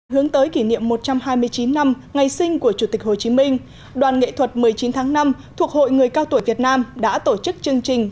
hướng tới kỷ niệm một trăm hai mươi chín năm ngày sinh của chủ tịch hồ chí minh đoàn nghệ thuật một mươi chín tháng năm thuộc hội người cao tuổi việt nam đã tổ chức chương trình